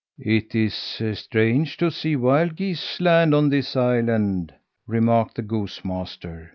"It is strange to see wild geese land on this island," remarked the goose master.